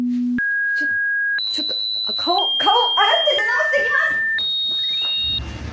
ちょっちょっと顔顔洗って出直してきます！